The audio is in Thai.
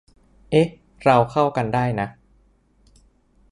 อ๊ะ เราเข้าได้นะ